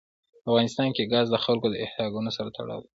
په افغانستان کې ګاز د خلکو د اعتقاداتو سره تړاو لري.